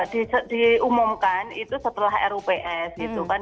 biasanya kan diumumkan itu setelah rups gitu kan